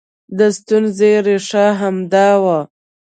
د ستونزې ریښه همدا وه